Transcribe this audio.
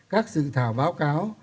các dự thảo báo cáo